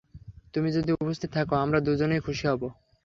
তুমি যদি উপস্থিত থাকো আমরা দুজনেই খুশি হব।